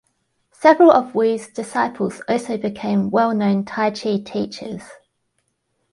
Several of Wu's disciples also became well known t'ai chi teachers.